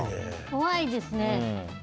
怖いですね。